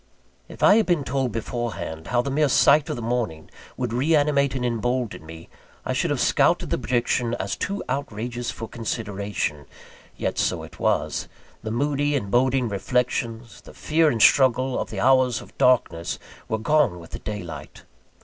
If I had been told beforehand how the mere sight of the morning would reanimate and embolden me, I should have scouted the prediction as too outrageous for consideration; yet so it was. The moody and boding reflections, the fear and struggle of the hours of darkness were gone with the daylight.